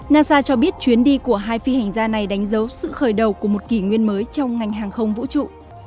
nasa cho biết chuyến đi của hai phi hành gia này đánh dấu sự khởi đầu của một kỷ nguyên mới trong ngành hàng không vũ trụ